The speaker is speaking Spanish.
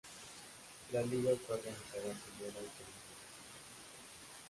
La liga está organizada en Primera y Segunda División.